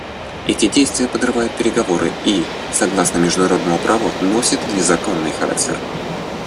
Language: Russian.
Эти действия подрывают переговоры и, согласно международному праву, носят незаконный характер.